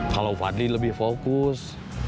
kalau fadli lebih fokus